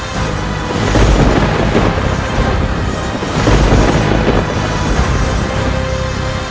sang penguasa kerajaan penyelidikan